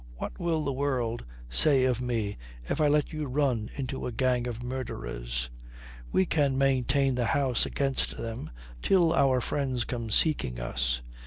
What will the world say of me if I let you run into a gang of murderers? We can maintain the house against them till our friends come seeking us.